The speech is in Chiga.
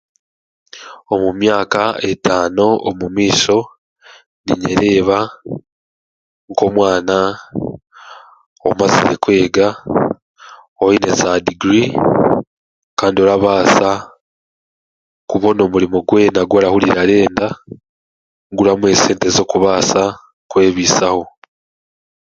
Omu myaka etaano omumaisho niinyereeba nk'omwana omazire kwega oine za diguri kandi orabaasa kubona omurimo gwena ogu araba arenda guramuha esente z'okubaasa kwebiisaho